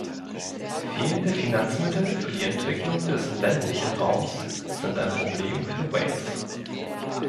Fehlende Finanzmittel für die Entwicklung des ländlichen Raums sind ein Problem für Wales.